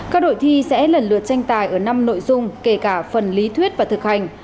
các đội thi sẽ lần lượt tranh tài ở năm nội dung kể cả phần lý thuyết và thực hành